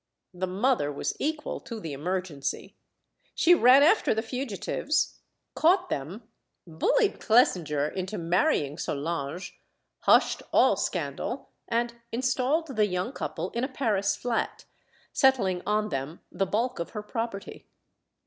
The mother was equal to the emergency. She ran after the fugitives, caught them, bullied Clesinger into marrying Solange, hushed all scandal, and installed the young couple in a Paris flat, settling on them the bulk of her property.